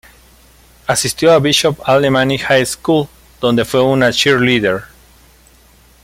Asistió a Bishop Alemany High School donde fue una "cheerleader".